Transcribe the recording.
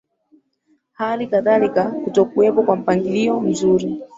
hali kadhalika kutokuwepo kwa mpangilio mzuri